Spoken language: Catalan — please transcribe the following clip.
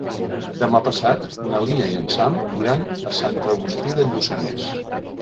Demà passat na Lia i en Sam iran a Sant Agustí de Lluçanès.